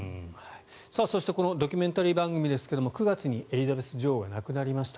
そしてこのドキュメンタリー番組ですが９月にエリザベス女王が亡くなりました。